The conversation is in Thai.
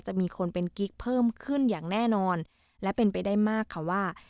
จะมีคนเป็นกิ๊กเพิ่มขึ้นอย่างแน่นอนและเป็นไปได้มากค่ะว่า